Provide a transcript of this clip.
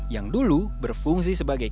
yang dulu berfungsi sebagai